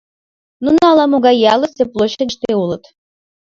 Нуно ала-могай ялысе площадьыште улыт.